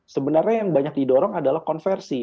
sebenarnya yang banyak didorong adalah konversi